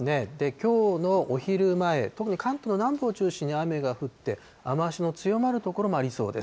きょうのお昼前、特に関東の南部を中心に雨が降って、雨足の強まる所もありそうです。